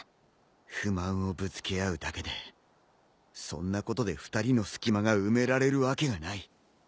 不満をぶつけ合うだけでそんなことで２人の隙間が埋められるわけがない。